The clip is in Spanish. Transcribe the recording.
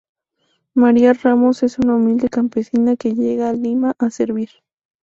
María Ramos es una humilde campesina que llega a Lima a servir.